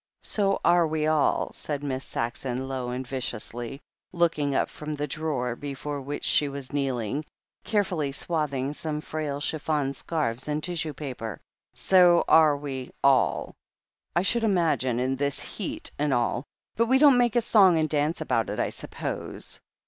"So axe we all," said Miss Saxon low and viciously, looking up from the drawer before which she was 132 THE HEEL OF ACHILLES kneeling, carefully swathing some frail chiffon scarves in tissue paper. "So are we all, I should imagine, in this heat and all, but we don't make a song and dance about it, I suppose.